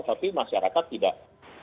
tapi masyarakat tidak